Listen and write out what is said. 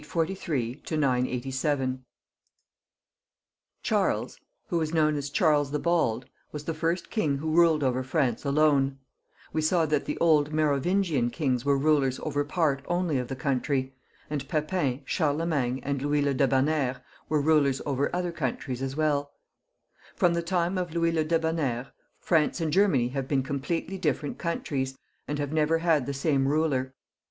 CHAPTEE X. The Last Carlovingian Kings (843 987). Charles, who .was known a3 Charles the Bald, was the first king who ruled over France alone : we saw that the old Merovingian kings were rulers over part only of the country ; and Pepin, Charlemagne, and Louis le Dfebon naire were rulers over other countries as welL From the time of Louis le D^bonnaire France and Germany have been completely different countries, and have never had the same ruler.